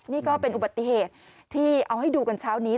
นี่ก็เป็นอุบัติเหตุที่เอาให้ดูกันเช้านี้